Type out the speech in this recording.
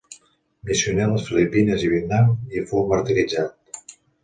Missioner a les Filipines i Vietnam, hi fou martiritzat.